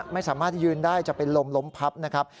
ไม่สามารถที่ยืนได้จะเป็นลมล้มพับนะครับ